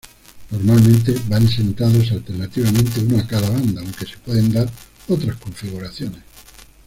Normalmente van sentados alternativamente uno a cada banda, aunque se pueden dar otras configuraciones.